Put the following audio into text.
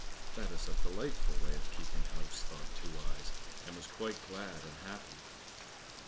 "That is a delightful way of keeping house!" thought Two eyes, and was quite glad and happy.